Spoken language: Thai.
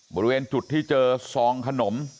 บริเวณจุดที่เจอซองขนม